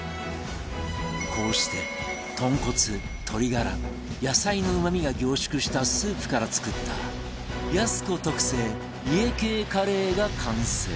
こうして豚骨鶏ガラ野菜のうまみが凝縮したスープから作ったやす子特製家系カレーが完成